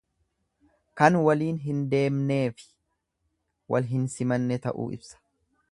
Kan waliin hin deemneefi wal hin simanne ta'uu ibsa.